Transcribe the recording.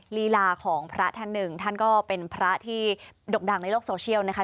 ลีลาของพระท่านหนึ่งท่านก็เป็นพระที่ดกดังในโลกโซเชียลนะคะ